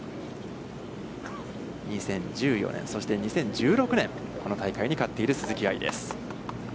２０１４年、そして２０１６年、この大会に勝っている鈴木愛です。